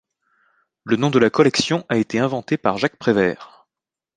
Le nom de la collection a été inventé par Jacques Prévert.